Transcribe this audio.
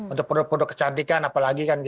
untuk produk produk kecantikan apalagi kan